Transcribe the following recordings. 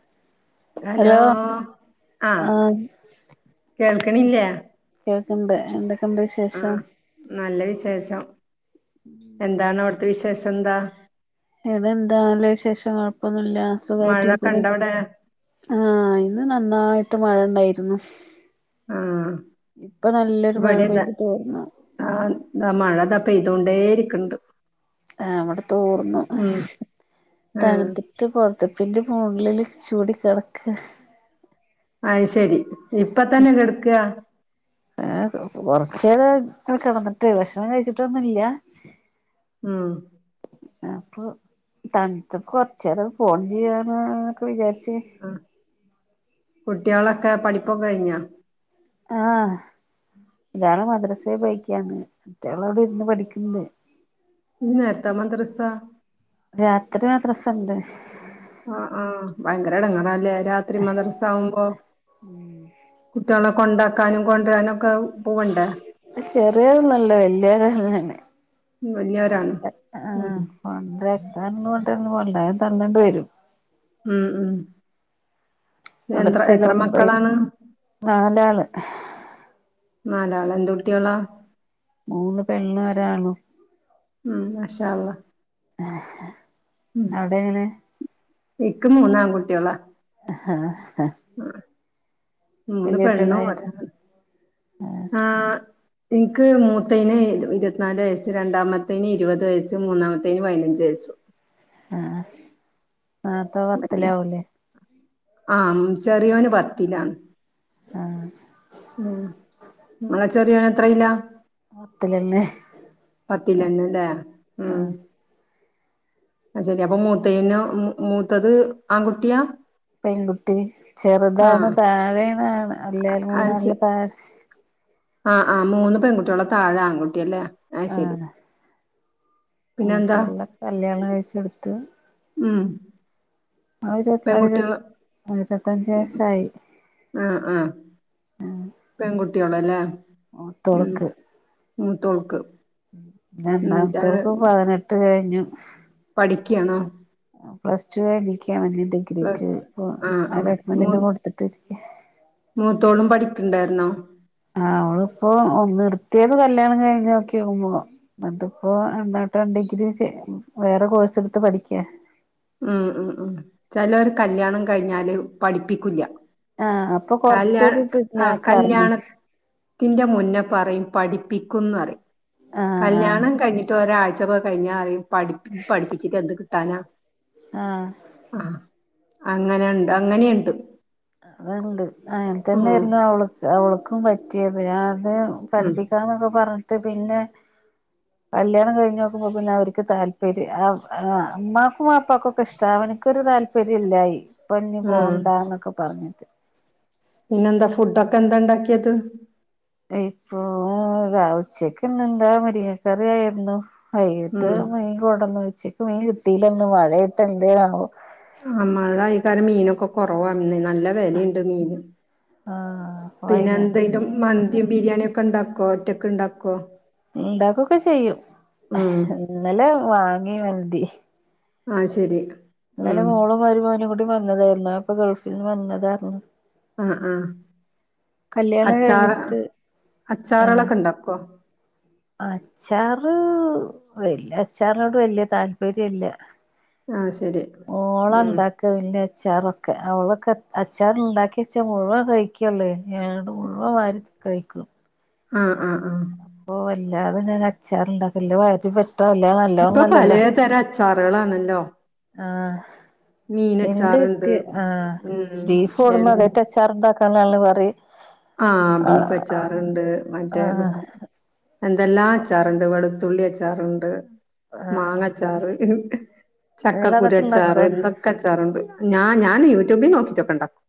[inaudible] Hello ആ ആഹ് കേൾക്കണില്ലേ ഉണ്ട് എന്തൊ ആ നല്ല വിശേഷം എന്താണ് അവിടു ത്തവിശേഷം എന്താ എവിടെ എന്താല വിശേഷം കൊഴപ്പ ല്ല സുഖായിട്ട് മഴ ഇരിക്കുന്നു കണ്ടവിടെ ആ ഇന്ന് നന്നായിട്ട് മഴ ഉണ്ടായിരുന്നു ആ മഴ ഇപടെന്താ പെയ്ത് തോർന്നു ആഹ മഴത പെയ്തുകൊണ്ടേ ഇരിക്ക്ണ്ട് ആ അവിടെ തൊർന്നു ആ തണ്ത്ത്ട്ട് പുറത്തി പിന്റെ മുകളില് ചൂടി കിടക്ക അ ശെരി ഇപ്പ തന്നെ കെട്ക്ക ഏ കൊറച്ച കിടന്നിട്ടേ ഭക്ഷണം കഴിച്ചിട്ടൊന്നും ഇല്ല ഉം അപ്പൊ തണത്തപ്പ കൊറച്ചരം ഫോൺ ചെയ്യാനൊക്കെ വിചാരിച്ച [inaudible] ആ കുട്ടികളൊക്കെ പഠിപ്പൊക്കെ കഴിഞ്ഞൊ ആ ഒരാള് മദ്രസയെ പോയേക്കാണ് മറ്റയാള അവിടെ ഇരുന്ന് പഠിക്ക്ണ്ട് ഇ നേരത്താ മദ്രസ രാത്രി മാദ്രസണ്ട് ആ ആഹ് ഭയങ്കര ഇടങ്ങേറാല്ലെ രാത്രി മദർസ ആവുമ്പോ കുട്ടികളെ കൊണ്ടാക്കാനും കൊണ്ടുരാനും ഒക്കെ പോവണ്ടേ ചെറിയൊന്നല്ലോ വലിയവരല്ലേന്നെ വലിയവരാണ് ഉം [unintelligible] ഉം ഉ മദർസയില് ഒമ്പൈയില് നാലാള് നാലാള എന്ത കുട്ടിയളാ മൂന്ന് പെണ്ണ് ഒരാണ് ഉം മാഷാ അല്ലാഹ് അവിടെങ്ങനെ എക്ക് മൂന്നാംകുട്ടിയളാ ആഹ ആ മൂന്ന് പെണ്ണും കുട്ടികളായെ ഒരാൺ ആഹ എനിക്ക് മൂത്തേന് ഇരുപത്തിനാല് വയസ്സ് രണ്ടാമത്തേന് ഇരുപത് വയസ്സ് മൂന്നാമത്തേന് പതിനഞ്ച് വയസ്സ് [inaudible] ആഹ നാത്തെ പത്തില വലിയ- ആവലേ ആ ചെറിയോന് പത്തിലാണ് ആഹ ഉ നിളെ ചെറിയത്ര ഇല്ല പത്തിലല്ലേ പത്തിൽന്ന അല്ലേ ഉം ആഹ് അ ശരി അപ്പൊ മൂത്തേന് മൂത്തത് ആൺകുട്ടിയാ പെൺകുട്ടി ആ ചെറുതാണ് താഴേനാണ് അല്ലായും മൂന്നാളില് താഴെ ആഹ് ആഹ് മൂന്ന് പെൺകുട്ടികള താഴെ ആൺകുട്ടിയ അല്ലേ ആഹ പിന്നെന്താ മത്തുള്ളിലെ കല്യാണം കഴിച്ചെടുത്ത് മം ആയിരത്തിയി ആയിപത്തഞ്ച വയസ്സായി ആഹ ആഹ പെൺകുട്ടികളല്ലേ ഓ ഉം തൊളുക്ക് മൂത്തോൾക്ക് ഉം രണ്ടാമത്തെേർക്ക് പതിനെട്ട് കഴിഞ്ഞു പഠിക്കണോ പ്ലസ് ടു ആയി വല പ്ലസ് ഡിഗ്രിക്ക് ആഹ് ആഹ് ഇപ്പഡ്മന്ന്നെ കൊടുത്തിട്ടിരിക്ക മൂത്തോളം പഠിക്കണ്ടായിരുന്നോ ആ അവള ഇപ്പോൊ ഒന്ന നിർത്തിയത് കല്യാണം കഴിഞ്ഞ് നോക്കിക്കുമ്പോ എന്നിട്ടിപ്പോ എ കേട്ട ഡിഗ്രി വേറെ കോഴ്സ് എടുത്ത് പഠിക്ക ഉം ഉം ഉം ചിലർ കല്യാണം കഴിഞ്ഞാല് പഠിപ്പിക്കില്ല ആഹ് അപ്പൊ കല്യാണ കൊറച്ചൊരു ആ പിന്നാക്കാർന്ന് കല്യാണ ത്തിന്റെ മുന്നേ പറയും പഠിപ്പിക്കും ആഹ് ആഹ് കല്യാണം കഴിഞ്ഞിട്ട് ഒരാഴ്ച ഇൊക്കെ കഴിഞ്ഞാ അറിയ പഠി പഠിച്ചിട്ട് എന്ത് കിട്ടാനാ ആഹ അങ്ങനെയുണ്ട് അങ്ങനെയുണ്ട് അത്ണ്ട് അങ്ങെ ഉം തന്നൊയിരുന്നു അവൾക്ക് അവൾക്കും പറ്റിയത് അത് ഉം പഠിപ്പിക്കാന്നൊക്കെ പറഞ്ഞിട്ട് പിന്നെ കല്യാണം കഴിഞ്ഞഞ് നോക്കുമ്പോ പിന്നെ അവർക്ക് താല്പര്യം അ്മാക്കും അപ്പക്കും ഒക്കെ ഇഷ്ടാവൻ എനിക്കൊരു താല്പര്യം ഇല്ലായി ഇപ്പൊ ഇനി ആഹ് പോണ്ടന്നൊക്കെ പറഞ്ഞിട്ട് പിന്നെന്താ ഫുഡൊക്കെ എന്താ ഉണ്ടാക്കിയത് ഇപ്പൊ ഉച്ചക്ക്ന്ന എന്താ മട കറിയായിരുന്നു വൈകിട്ട് ഉം മീൻ കൊടന്ന് വെച്ചേക്ക് മീൻ കിട്ടീല്ലന്ന് മഴയിട്ട് എന്തേോ നമ്മള കയിക്കാരം മീനൊക്കെ കുറവാന്ന നല്ല വിലയുണ്ട് മീന് ആഹ് പിന്നെ വൈകുന്നേരത്ത് എന്തെിലും മീൻ മന്തിയും ബിരിയാണിയ ഒക്കെ ഉണ്ടാക്കോ ഒറ്റൊക്കെ ഉണ്ടാക്കോ ഉണ്ടാക്കൊക്കെ ചെയ്യും ഉം ഇന്നലെ വാങ്ങി വന്തി ആ ശരി അാലേ ഉം മോളും വരുമാവനും കൂടി വന്നതായിന്ന അപ്പൊ ഗൾഫിൽന്ന് വന്നതായിരുന്നു ആ ആ കല്യാണം അച്ചാറ കഴിഞ്ഞിട്ട് ആഹ് അച്ചാറളൊക്കെ ഉണ്ടാക്കോ അച്ചാറ് വല് അച്ചാറിനോട് വല്യ താല്പര്യമല്ല ആ ശരി ഓള ഉം ഉണ്ടാക്ക ഇന്നെ അച്ചാറൊക്കെ അവളൊക്കെ അച്ചാറിണ്ടാക്കി വെച്ചാൽ മുഴുവൻ കഴിക്കുള്ളേ ഞട് മുഴുവൻ വാരി കഴിക്കും ആഹ ആഹ ആഹ അപ്പൊ വല്ലാതെന്നൻ അച്ചാറണ്ടാക്കല്ല വ ഇപ്പൊ പലതരം അച്ചാറുകളണല്ലോ ആ എന്ത് ആ ഉം ബീഫ് എൻ കൊടുന്ന അത റ്റ അച്ചാറണ്ടാക്ക കല്ലുവറി ആ ബീഫ് അച്ചാറുണ്ട് മറ്റേ ആഹ് എന്തെല്ലാ അച്ചാറുണ്ട് വെളുത്തുള്ളി അച്ചാറുണ്ട് ആഹ് മാങ്ങച്ചാറ് നിങ്ങള് അതൊക്കെ ഉണ്ടാക്കോ ചക്കക്കുരുച്ചാറ് എന്തൊക്കെച്ചാറുണ്ട് ഞാ ഞാൻ യൂട്യൂബിൽ നോക്കിട്ടൊക്കെ ഉണ്ടാക്കും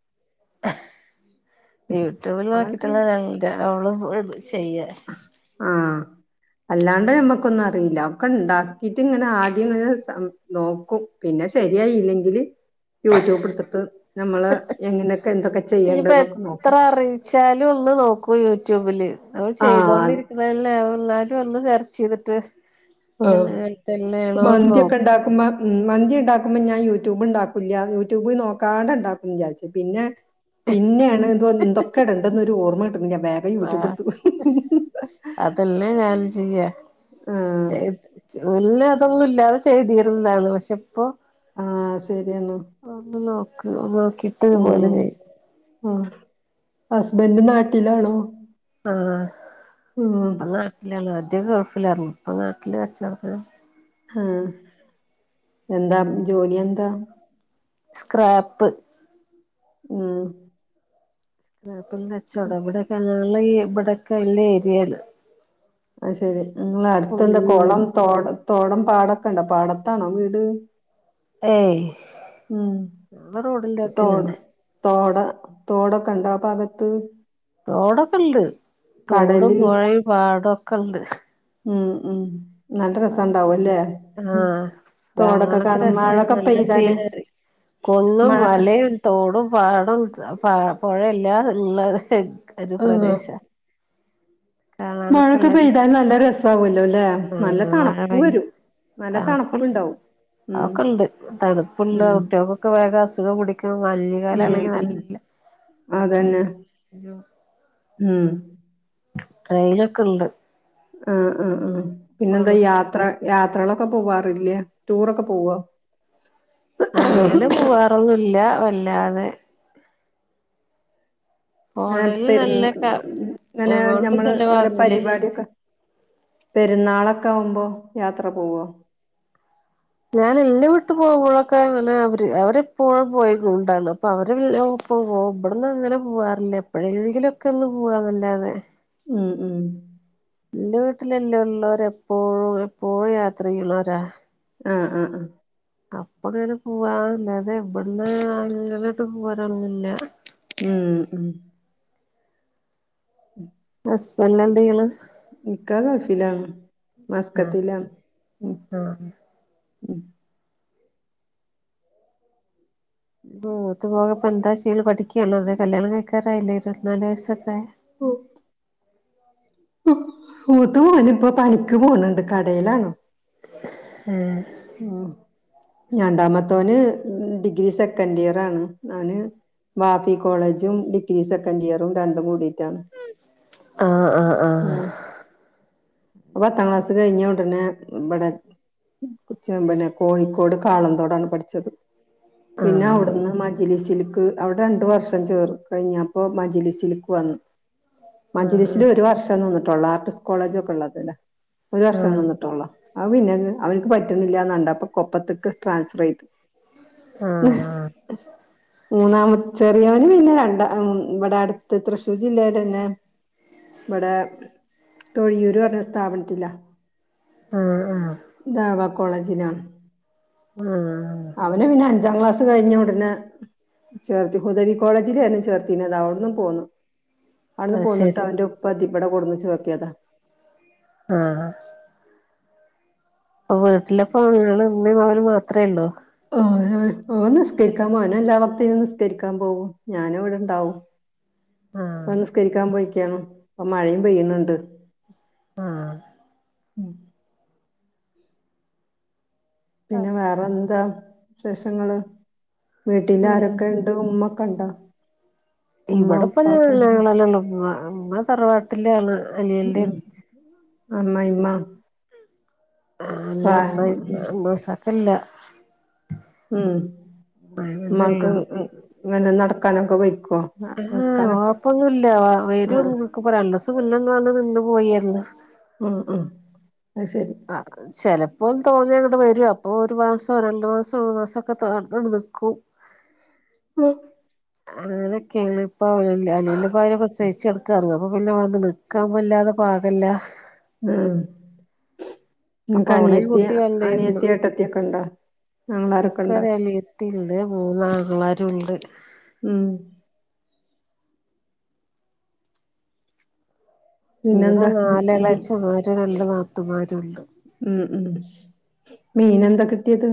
യൂട്യൂബിൽ അതൊക്കെ നോക്കിട്ടുള്ള ഞങ്ങ അവള് ചെയ്യ ആഹ് അല്ലാണ്ട് ഞമ്മക്കൊന്നും അറിയില്ല ഒക്കെ ഉണ്ടാക്കിട്ട് ഇങ്ങനെ ആദ്യം ഇങ്ങനെ സം നോക്കും പിന്നെ ശരിയായില്ലെങ്കില് യൂട്യൂബ്ടുത്തിട്ട് നമ്മള് എങ്ങനെയൊക്കെ എന്തൊക്കെ ഇനിയിപ്പോ ചെയ്യേണ്ടന്നൊക്കെ എത്ര നോക്കും നമ്മള് ആഹ് ചെയ്തോണ്ടിരിക്കുന്നല്ല എന്നാലും ഒന്ന് സെർച്ച ചെയ്തിട്ട് അ ഇതല്ലേ തന്നെയാണോന്ന് മന്തിയൊക്കെ നോക്കും ഉണ്ടാക്കുമ്പ മ് മന്തി ഉണ്ടാക്കു മുമ്പ ഞാൻ യൂട്യൂബ് ഉണ്ടാക്കൂല്ല യൂട്യൂബ് നോക്കാണ്ട് ണ്ടാക്കുംന്ന് അ വിചാരിച്ച പിന്നെ പിന്നെയാണ് ഇ എന്തൊക്കെ ഇടണ്ടെ ന്നൊരുഓർമ്മ ഞാൻ വേഗം യൂട്യൂബ് ആഹ് എടുത്ത ഹ് ഹ് ഹ തെ മുന്നെ അതൊന്നുംല്ലാതെ ചെയ്തീരുന്നതാണ് പക്ഷെ ഇപ്പോ ആഹ് ശരിയണോ കിട്ടണ് പോലെ ചെയ് ആഹ് ഹസ്ബൻഡ് നാട്ടിലാണോ ആ ഉം ഇപ്പ നാട്ടിലാള്ളത് മറ്റേ ഗൾഫിലായിരുന്നു ഇപ്പ നാട്ടില് കച്ചടക്കല്ല കു ആഹ്എന്താ ജോലിയെന്താ സ്ക്രാപ്പ് ഉം സ്ക്രാപ്പ കച്ചോട ഇവിടെക്കെ ഞങ്ങള് ഈ ഇവിടെക്കെ വല്ല്യ ഏരിയേല് അ ശെരി നിങ്ങള് അടുത്ത്ന്താ ഫുള്ള് കുളം തോട തോടം പാടൊക്കെ ഇണ്ട പാടത്താണോ വീട് ഏയ് ഉം ഞങ്ങളെ റോഡിന്റെ തോടു വക്കിലന്നെ തോട തോടൊക്കെ ഉണ്ട ആ ഭാഗത്ത് തോടൊക്കെ ഉണ്ട് തോടും കടല് പുഴയും പാടൊക്കെ ഉണ്ട് ഉം ഉ നല്ല രസം ഉണ്ടാവല്ലേ ആഹ് തോടൊക്കെ കാണാനൊക്കെ കാണ രസാണ് മഴൊക്കെ നല്ല പെയ്താല് സീനറി കുന്നും മഴക്ക മലയും തോടും പാടും പ പുഴല്ലാ ഉള്ള ക്കഒരു ആഹ് പ്രദേശ കാണാനൊക്കെ മഴൊക്കെ നല്ല രസ പെയ്താൽ നല്ല രസാവല്ലോല്ലെ നല്ല ആഹ് മഴ തണുപ്പ് വരും നല്ല തണുപ്പുണ്ടാവും ഉം അതൊക്കണ്ട് തണുപ്പുള്ള ഉം കുട്ടോക്കൊക്കെ വേഗസു ഖം പിടിക്കും ഉം മഞ്ഞുകാലണെങ്കി ഉം നല്ല നല്ല അതന്നെ [inaudible] ഉം റെയിലൊക്കെ ഉണ്ട് ആ ആ ഉ പോണ പിന്നെന്താ സ്ഥലം യാത്ര യാത്രകള ക്കെ പോവാറില്ലേ ടൂറൊക്കെ പോവ അങ്ങനെ പോവാറൊന്നില്ല വല്ലാതെ അ പോണേല് പെരു നല്ല ക അങ്ങനെ എമൗണ്ട് ഞമ്മള് ഓര ചെലവാകൂലേ പരിപാടൊക്കെ പെരുന്നാളൊക്കെ ആവുമ്പോ യാത്ര പോവോ? ഞാൻ ന്റെ വിട്ട് പോയുമ്പോഴൊക്കെ അങ്ങനെ അവര് അവരെപ്പോഴും പോയുക്കുണ്ടാണ് അപ്പൊ അവരെ [unintelligible] പോ ഇവിടന്ന് അങ്ങനെ പോവാറില്ല എപ്പോഴെങ്കിലും ഒക്കെ ഒന്ന് പോവാന്നല്ലാതെ ഉം ഉം ന്റെ വീട്ടിലെല്ലാം ഉള്ളവര് എപ്പോഴും എപ്പോഴും യാത്ര ചെയ്യുന്നരാ അ അ ആഹ് അപ്പ അങ്ങനെ പോവാല്ലാതെ വിടന്ന് അങ്ങനേട്ടു പോവാനൊന്നില്ല. ഉം ഉം ഹസ്ബൻഡ് എന്തു ചെയ്യണ് ഇക്കാ ഗൾഫിലാണ് ആഹ് മസ്കറ്റിലാണ് ഉം ആഹ് ഉം മൂത്ത മോള്പ്പോ എന്താ ചേയല് പഠിക്കയാണോ അത് കല്യാണം കഴിക്കാറായില്ലേ ഇരുപത്തിനാല് വയസല്ലേ [unintelligible] [inaudible] മൂത്ത മോന് ഇപ്പൊ പണിക്ക് പോണണ്ട് കടയിലാണ്‌ ഉം ആഹ് രണ്ടാമത്തവന് ഡിഗ്രി സെക്കൻഡ് ഇയർ ആണ് അവന് ബാഫി കോളേജും ഡിഗ്രി സെക്കൻഡ് ഇയറും രണ്ടും കൂടിയിട്ടാണ് ആഹ് [unintelligible] പത്താംക്ളാസ് കഴിഞ്ഞ ഒടനെ ഇവിടെ ഉച്ചയമ്പ പിന്നെ കോഴിക്കോട് കാളന്തോടാണ് പഠിച്ചത് പിന്നെ ആഹ് അവിടുന്ന് മജിലി സില്ക്ക് അവിടെ രണ്ട് വർഷം ചേർത്ത് കഴിഞ്ഞപ്പോ മജിലി സില്ക്ക് വന്ന ആഹ് മഞ്ജലീശല് ഒരു വർഷം തോന്നിട്ടുള്ളൂ ആർട്ട്സ് കോളേജ് ഒക്കെ ഉള്ളതല്ലേ ഒരു വർഷം ആഹ് നിന്നിട്ടള്ളൂ അവൻ പിന്നെ അവൻ പറ്റില്ലാന് കണ്ടപ്പൊ കൊപ്പത്തക്ക് ട്രാൻസ്ഫർ ചെയ്തു ആഹ് ആഹ് മൂന്നാമൻ ചെറിയോന് പിന്നെ രണ്ട ഇവിടെ അടുത്ത് തൃശ്ശൂർ ജില്ലൽ തന്നെ ഇവിടെ തൊഴിയൂര് പറഞ്ഞ സ്ഥാപനത്തിലാ ആഹ് ആഹ് ദവാ കോളേജിനാണ് ആഹ് അവന പിന്നെ അഞ്ചാം ക്ലാസ് കഴിഞ്ഞ ഉടനെ ചേർത്തി ഹുദവി കോളേജിലായിരുന്നു ചേർത്തിന അത് അവിടന്നും പോന്നു അവിടെന്ന് അത് പോന്നിട്ട് ശരി അവന്റെ ഉപ്പതി ഇവിടെ കൊണ്ട് ചേക്കിയതാ ആഹ് അപ്പൊ വീട്ടിലെപ്പ നിങ്ങള് ഉമ്മയും മകനും മാത്രമേ ഉള്ളൂ ആ ഓ നിസ്കരിക്കാൻ പോന എല്ലാവക്തും നിസ്കരിക്കാൻ പോവും ഞാനിവിടെണ്ടാവും ആഹ് ഓൻ നി സ്കരിക്കാൻ പോയിക്കാണ് ഇപ്പൊ മഴയും പെയ്യുന്നുണ്ട് ആഹ് ഉം പിന്നെ വേറെ എന്താ വിശേഷങ്ങള് ആഹ് വീട്ടിലാരൊക്കെ ഉണ്ട് ഉമ്മ കണ്ടോ ഇവിടെപ്പല്ലങ്ങളല്ലേ ഉള്ളൂ ഉ ഉമ്മ തറവാട്ടിലാണ് അനിയൻ അമ്മായിയാമ്മ [unintelligible] ഉം അങ്ങനെയള്ള ഉമാക്ക് ഇങ്ങനെ നടക്കാനൊക്കെ പ ആഹ് ഓപ്പൊന്നുല്ല ആഹ് വരുംക്ക് പറയല്ല നില്ലെന്നാണ് നിന്ന് പോയിന്ന് ആഹ് ആഹ് ആൾക്ക് ചിലപ്പോ തോന്നിയ അങ്ങോട്ട് വരും അപ്പോൾ ഒരു മാസം രണ്ടു മാസം മൂന്നു മാസംക്കെ നിൽക്കും [inaudible] അങ്ങനെക്കെണ് ഇപ്പൊ അനിയന്റെ ഭാര്യ പ്രസവിച്ച് കെട്ക്കാണ് അപ്പ പിന്നെ വന്ന് നിക്കാൻ വല്ലാതെ പാകല്ല ഉം അപ്പൊ നിങ്ങക്ക് അവളെയും അനിയത്തി അനിയത്തി ഏട്ടത്തിക്കെണ്ടോ ൻക്ക് ഒരു അനിയത്തിണ്ട് മൂന്നു ആങ്ങളാരുണ്ട് ഉം ഇവിടെ പിന്നെന്താ ഇനി നാലെളച്ചന്മാര് രണ്ട് നാത്തൂമാരുണ്ട് ഉം ഉം. മീൻ എന്താ കിട്ടിയത്?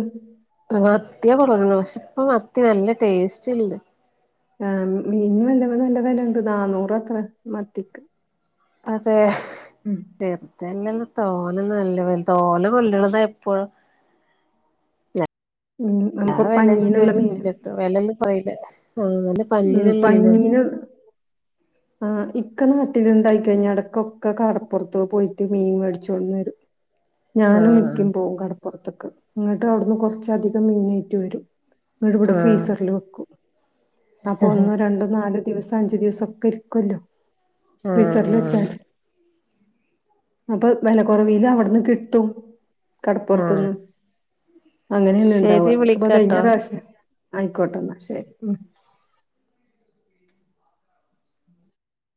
മത്തിയാ കൊണ്ടന്ന്ക്ക്ണത് പക്ഷെ ഇപ്പ മത്തി നല്ല ടേസ്റ്റ് ണ്ട്. ആ മീ മീൻ നല്ല നല്ല വെലണ്ട് നാന്നൂറാത്രേ മത്തിക്ക്. അതെ [unintelligible] ഉം [unintelligible] ഉം ഞാൻ അപ്പൊ വെലൊന്നും പഞ്ഞീനുള്ള മീന് ചോയ്ച്ചിട്ടില്ലട്ടോ വെലൊന്നും [unintelligible] ഉം പഞ്ഞീന് ആ ഇക്ക നാട്ടിലുണ്ടായിക്കയ്ഞ്ഞാ എടക്കൊക്കെ കടപ്പുറത്ത് പോയിട്ട് മീൻ മേടിച്ചു കൊട്ന്നെരും. ഞാനും ആഹ് ഇക്കിം പോകും കടപ്പുറത്ത്ക്ക് ഇന്ന്ട്ട് അവിട്ന്ന് കൊറച്ചധികം മീനേയിട്ട് വെരും. ഇന്ന്ട്ടിവിടെ ആഹ് ഫ്രീസറിൽ വെക്കും. അപ്പൊ ഒന്നോ രണ്ടോ നാല് ദിവസം അഞ്ചു ദിവസൊക്കെ രിക്കല്ലോ? ആ ആ അപ്പൊ വെല കൊറവില് അവ്ട്ന്ന് കിട്ടും. ആഹ് കടപ്പുറത്ത്ന്ന് അങ്ങനെന്നെ ണ്ടാവ ശരി ൻക്ക്പ്പ കയ്ഞ്ഞ വിളിക്കാട്ടോ പ്രാശ്യം ന്ന അയ്ക്കോട്ടെ ന്നാ ശെരി ഉം